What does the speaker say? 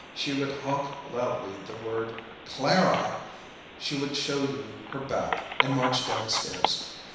She would honk loudly the word "Clara," she would show you her back, and march downstairs.